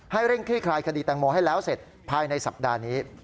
เร่งคลี่คลายคดีแตงโมให้แล้วเสร็จภายในสัปดาห์นี้